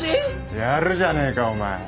やるじゃねえかお前。